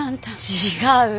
違う。